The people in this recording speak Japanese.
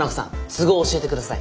都合教えて下さい。